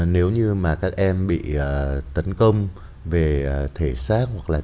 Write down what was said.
nếu như mà các em bị tấn công về thể xác hoặc là